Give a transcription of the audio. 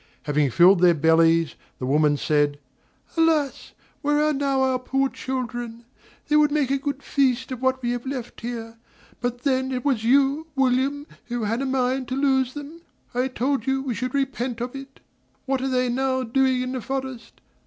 Having filled their bellies, the woman said: "Alas! where are now our poor children? They would make a good feast of what we have left here; but then it was you, William, who had a mind to lose them; I told you we should repent of it: what are they now doing in the forest?